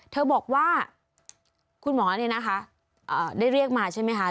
เธอบอกว่าคุณหมอเนี่ยนะคะได้เรียกมาใช่ไหมคะ